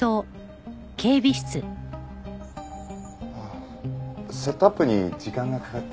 ああセットアップに時間がかかって。